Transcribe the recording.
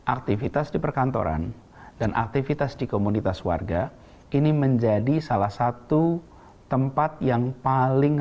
aktivitas di perkantoran dan aktivitas di komunitas warga ini menjadi salah satu tempat yang paling